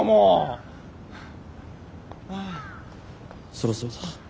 そろそろだ。